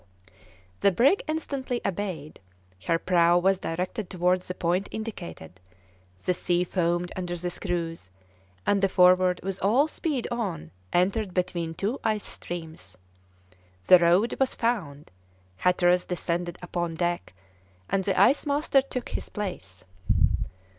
The brig instantly obeyed; her prow was directed towards the point indicated; the sea foamed under the screws, and the Forward, with all speed on, entered between two ice streams. The road was found, Hatteras descended upon deck, and the ice master took his place.